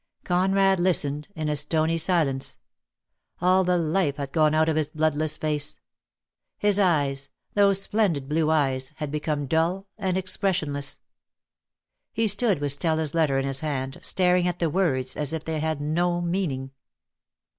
Conrad listened in a stony silence. All the life had gone out of his bloodless face. His eyes — those splendid blue eyes — had become dull and expressionless. He stood with Stella's letter in his hand, staring at the words as if they had no meaning.